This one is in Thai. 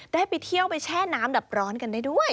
ได้ไปเที่ยวไปแช่น้ำดับร้อนกันได้ด้วย